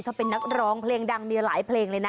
ถ้าเป็นนักร้องเพลงดังมีหลายเพลงเลยนะ